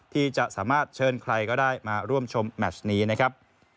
ที่จะสามารถเชิญใครก็ได้มาร่วมชมแมชนี้นะครับ